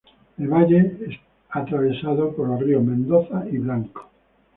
El valle es atravesado por los ríos Mendoza y Blanco.